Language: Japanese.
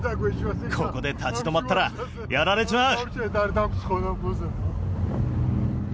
ここで立ち止まったらやられちまう。